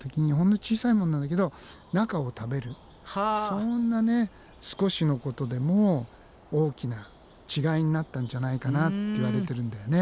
そんな少しのことでも大きな違いになったんじゃないかなっていわれてるんだよね。